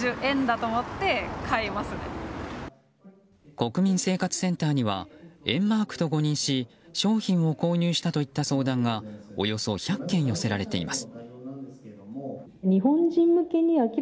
国民生活センターには￥マークと誤認し商品を購入したといった相談がおよそ１００件寄せられています。